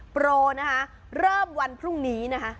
โปรนะคะเริ่มวันพรุ่งนี้นะคะ